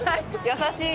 優しい。